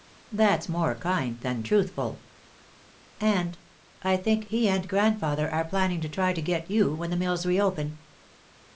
"That's more kind than truthful." "And I think he and grandfather are planning to try to get you, when the mills reopen.